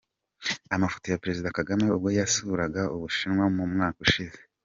Amafoto ya Perezida Kagame ubwo yasuraga u Bushinwa mu mwaka ushize.